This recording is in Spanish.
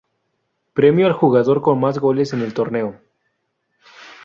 Premio al jugador con más goles en el torneo.